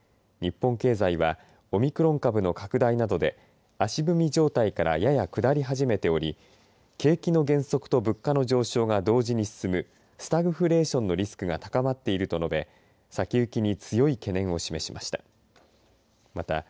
日本経済はオミクロン株の拡大などで足踏み状態からやや下り始めており景気の減速と物価の上昇が同時に進むスタグフレーションのリスクが高まっていると述べ先行きに強い懸念を示しました。